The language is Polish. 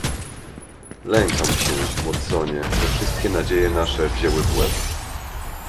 "Lękam się, Watsonie, że wszystkie nadzieje nasze wzięły w łeb."